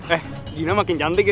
eh gina makin cantik ya